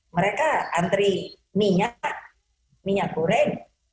mereka antri minyak minyak goreng